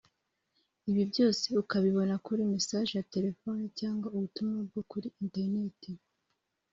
ibi byose ukabibona kuri message ya telephone cyangwa ubutumwa bwo kuri internet